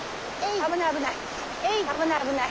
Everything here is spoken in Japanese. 危ない危ない。